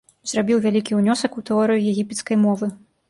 Зрабіў вялікі ўнёсак у тэорыю егіпецкай мовы.